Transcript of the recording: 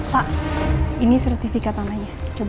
pak ini sertifikat tanahnya